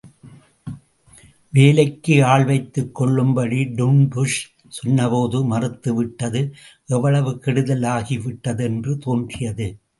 வேலைக்கு ஆள்வைத்துக் கொள்ளும்படி டுன்டுஷ் சொன்னபோது மறுத்துவிட்டது எவ்வளவு கெடுதல் ஆகிவிட்டது என்று தோன்றியது.